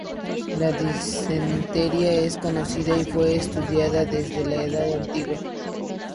La disentería es conocida y fue estudiada desde la Edad Antigua.